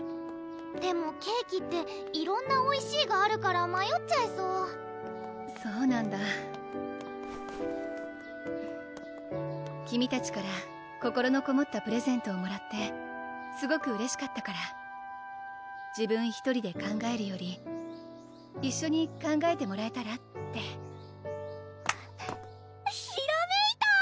でもケーキって色んなおいしいがあるからまよっちゃいそうそうなんだ君たちから心のこもったプレゼントをもらってすごくうれしかったから自分１人で考えるより一緒に考えてもらえたらってひらめいた！